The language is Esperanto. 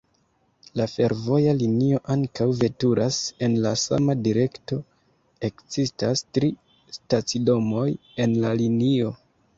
La fervoja linio ankaŭ veturas en la sama direkto. Ekzistas tri stacidomoj en la linio.